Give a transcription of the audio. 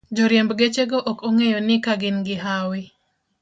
Joriemb gechego ok ong'eyo ni ka gin gi hawi